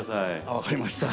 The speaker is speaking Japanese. あ分かりました。